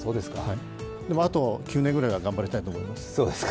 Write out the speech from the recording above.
でもあと９年ぐらいは頑張りたいと思います。